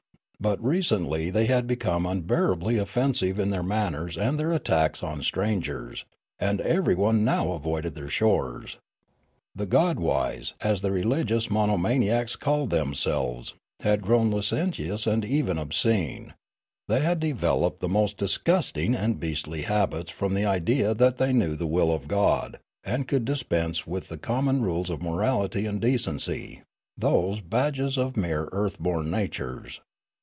But re centlj' they had become unbearably offensive in their manners and their attacks on strangers, and everyone now avoided their shores. The God wise, as the relig ious monomaniacs called themselves, had grown licen tious and even obscene ; they had developed the most disgusting and beastlj' habits from the idea that they knew the will of God and could dispense with the com mon rules of morality and decency, those ' badges of 35 : Riallaro mere earth born natures.'